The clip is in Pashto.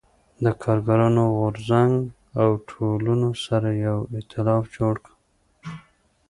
د کارګرانو غو رځنګ او ټولنو سره یو اېتلاف جوړ کړ.